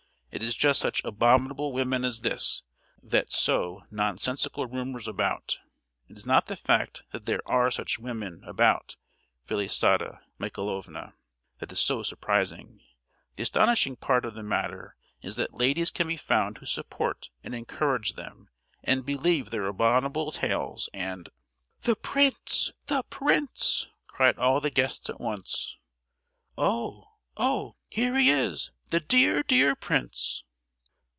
"It is just such abominable women as this that sow nonsensical rumours about! it is not the fact that there are such women about, Felisata Michaelovna, that is so surprising; the astonishing part of the matter is that ladies can be found who support and encourage them, and believe their abominable tales, and——" "The prince, the prince!" cried all the guests at once. "Oh, oh, here he is—the dear, dear prince!"